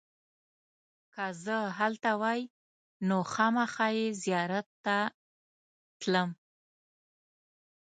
که زه هلته وای نو خامخا یې زیارت ته تلم.